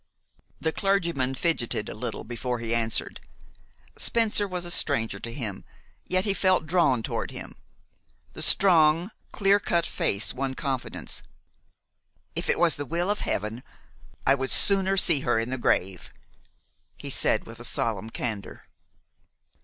The clergyman fidgeted a little before he answered. Spencer was a stranger to him, yet he felt drawn toward him. The strong, clear cut face won confidence. "If it was the will of Heaven, I would sooner see her in the grave," he said, with solemn candor.